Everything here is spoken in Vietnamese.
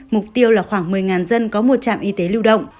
mục tiêu là khoảng một mươi dân có một trạm y tế lưu động